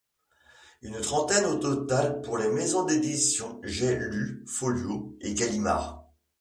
Une trentaine au total pour les maisons d’édition J’ai Lu, Folio et Gallimard.